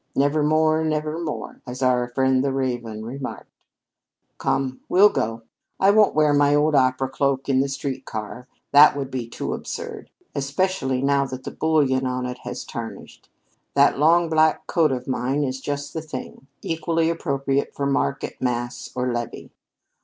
'Nevermore, nevermore,' as our friend the raven remarked. Come, we'll go. I won't wear my old opera cloak in the street car; that would be too absurd, especially now that the bullion on it has tarnished. That long black coat of mine is just the thing equally appropriate for market, mass, or levee.